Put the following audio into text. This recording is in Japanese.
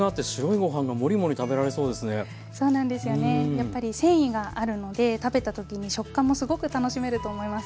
やっぱり繊維があるので食べた時に食感もすごく楽しめると思います。